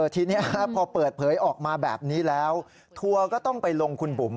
ทีนี้พอเปิดเผยออกมาแบบนี้แล้วทัวร์ก็ต้องไปลงคุณบุ๋ม